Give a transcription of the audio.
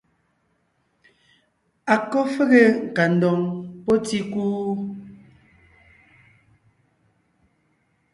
A kɔ́ fege nkandoŋ pɔ́ tíkú?